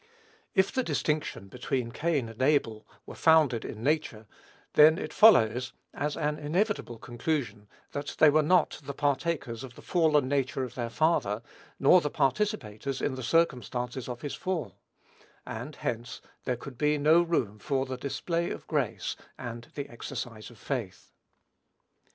If the distinction between Cain and Abel were founded in nature, then it follows, as an inevitable conclusion, that they were not the partakers of the fallen nature of their father, nor the participators in the circumstances of his fall; and, hence, there could be no room for the display of grace, and the exercise of faith.